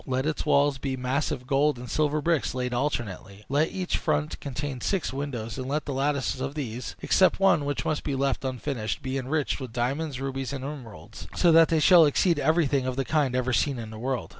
Let its walls be massive gold and silver bricks laid alternately. Let each front contain six windows, and let the lattices of these (except one, which must be left unfinished) be enriched with diamonds, rubies, and emeralds, so that they shall exceed everything of the kind ever seen in the world.